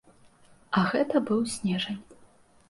А гэта быў снежань.